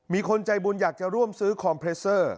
มีคนใจบุญอยากจะร่วมซื้อคอมเพรสเซอร์